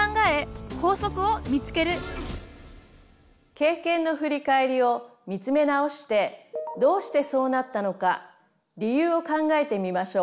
経験の振り返りを見つめ直してどうしてそうなったのか理由を考えてみましょう。